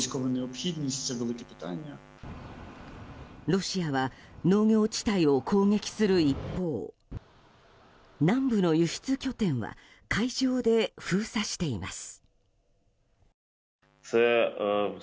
ロシアが農業地帯を攻撃する一方南部の輸出拠点は海上で封鎖しています。